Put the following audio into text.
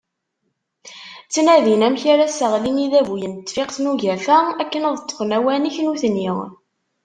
Ttnadin amek ara seɣlin idabuyen n Tefriqt n Ugafa akken ad ṭfen awanek nutni.